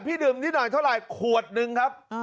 ดื่มนิดหน่อยเท่าไหร่ขวดนึงครับ